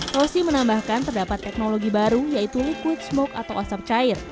rosi menambahkan terdapat teknologi baru yaitu liquid smoke atau asap cair